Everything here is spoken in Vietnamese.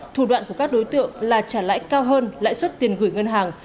thủ đoạn của các đối tượng là trả lãi cao hơn lãi suất tiền gửi ngân hàng